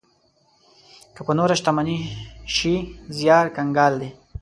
که په نوره شتمني شي زيار کنګال دی.